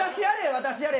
私やれ！